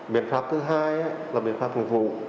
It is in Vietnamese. biện pháp thứ hai là biện pháp ngụy vụ